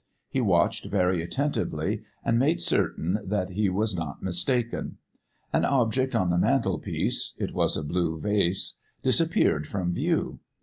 He watched very attentively and made certain that he was not mistaken. An object on the mantelpiece it was a blue vase disappeared from view.